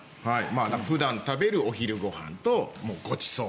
だから普段食べるお昼ご飯とごちそう。